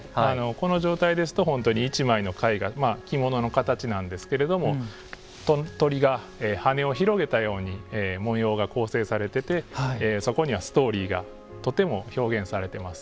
この状態ですと本当に１枚の絵画着物の形なんですけれども鳥が羽を広げたように文様が構成されててそこにはストーリーがとても表現されています。